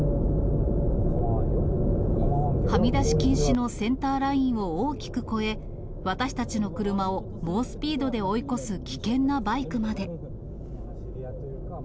はみ出し禁止のセンターラインを大きく越え、私たちの車を猛スピードで追い越す危険なバイクまで。